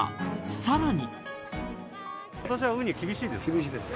更に。